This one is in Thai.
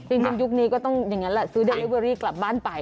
ยุคนี้ก็ต้องอย่างนั้นแหละซื้อเดลิเวอรี่กลับบ้านไป